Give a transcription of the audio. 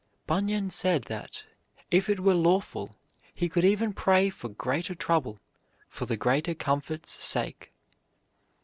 Bunyan said that, if it were lawful, he could even pray for greater trouble, for the greater comfort's sake.